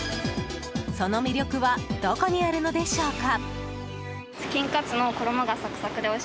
その魅力はどこにあるのでしょうか。